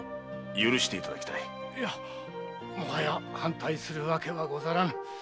いやもはや反対する訳はござらぬ。